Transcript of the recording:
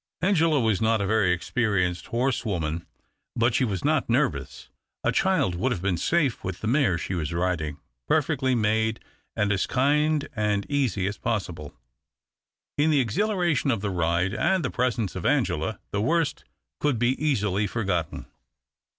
Angela was not a very experienced 222 THE OCTAVE OF CLAUDIUS. horsewoman, but she was not nervous. A child would have been safe with the mare she was riding — perfectly made and as kind and easy as possible. In the exhilaration of the ride and the presence of Angela, the worst could be easily forgotten.